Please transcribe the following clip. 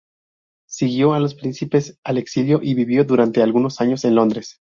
Siguió a los príncipes al exilio, y vivió durante algunos años en Londres.